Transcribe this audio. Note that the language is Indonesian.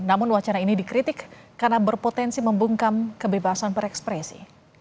namun wacana ini dikritik karena berpotensi membungkam kebebasan berekspresi